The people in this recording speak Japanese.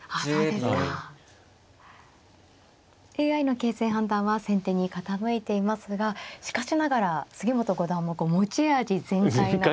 ＡＩの形勢判断は先手に傾いていますがしかしながら杉本五段も持ち味全開の。